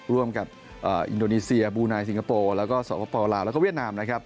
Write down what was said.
ร่วมกับอินโดนีเซียบูนายซิงคโปร์สวรรค์พลาวแล้วก็เวียดนาม